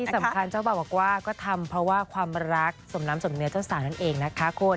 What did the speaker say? สำคัญเจ้าบ่าวบอกว่าก็ทำเพราะว่าความรักสมน้ำสมเนื้อเจ้าสาวนั่นเองนะคะคุณ